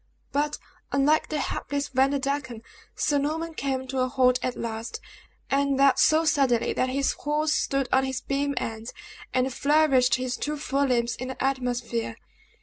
But, unlike the hapless Vanderdecken, Sir Norman came to a halt at last, and that so suddenly that his horse stood on his beam ends, and flourished his two fore limbs in the atmosphere.